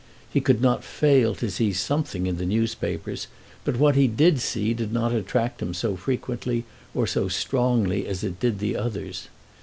He could not fail to see something in the newspapers, but what he did see did not attract him so frequently or so strongly as it did others.